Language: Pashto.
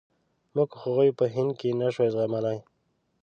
موږ هغوی په هند کې نشو زغملای.